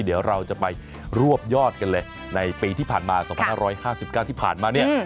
เดี๋ยวเราจะไปรวบยอดกันเลยในปีที่ผ่านมา๒๕๕๙ที่ผ่านมาเนี่ย